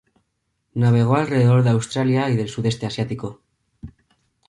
Navegó alrededor de Australia y del sudeste asiático.